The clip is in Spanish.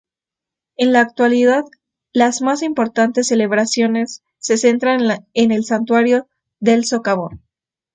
En la actualidad, las más importantes celebraciones se centran en el Santuario del Socavón.